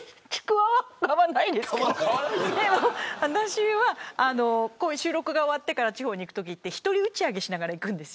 買わないですけど私は収録が終わってから地方に行くとき一人打ち上げしながら行くんです。